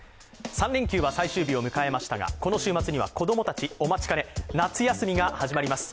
３連休は最終日を迎えましたがこの週末には子供たちお待ちかね、夏休みが始まります。